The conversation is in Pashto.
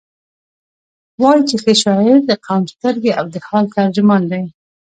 وایي چې ښه شاعر د قوم سترګې او د حال ترجمان دی.